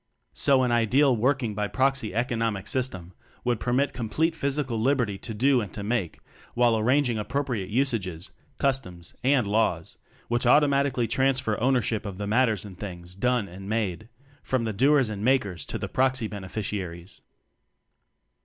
So an ideal work ing by proxy economic system would permit complete physical liberty to do and to make, while arranging appro priate usages, customs, and laws which automatically transfer ownership of the matters and things done and made, from the doers and makers to the proxy beneficiaries.